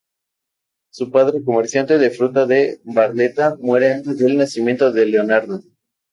Su padre, comerciante de fruta de Barletta, muere antes del nacimiento de Leonardo.